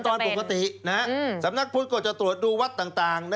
ตอนปกติสำนักพุทธก็จะตรวจดูวัดต่าง